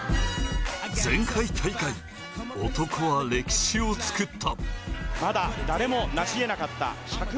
前回大会、男は歴史を作った。